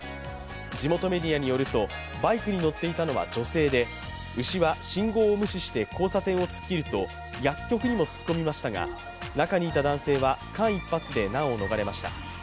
地元メディアによると、バイクに乗っていたのは女性で牛は信号を無視して交差点を突っ切ると薬局にも突っ込みましたが中にいた男性は、間一髪で難を逃れました。